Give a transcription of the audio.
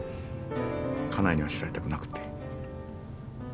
家内には知られたくなくって。